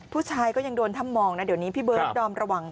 ผู้ชายก็ยังโดนถ้ำมองนะเดี๋ยวนี้พี่เบิร์ดดอมระวัง